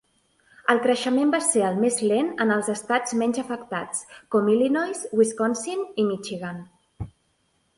El creixement va ser el més lent en els estats menys afectats, com Illinois, Wisconsin i Michigan.